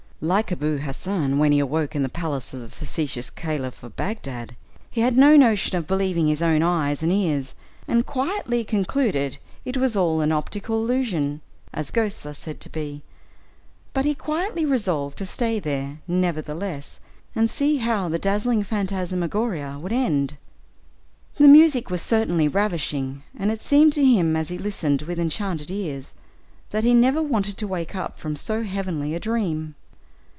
Like Abou Hasson when he awoke in the palace of the facetious Caliph of Bagdad, he had no notion of believing his own eyes and ears, and quietly concluded it was all an optical illusion, as ghosts are said to be; but he quietly resolved to stay there, nevertheless, and see how the dazzling phantasmagoria would end. The music was certainly ravishing, and it seemed to him, as he listened with enchanted ears, that he never wanted to wake up from so heavenly a dream.